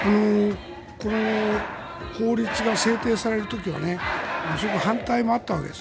この法律が制定される時はすごく反対もあったわけです。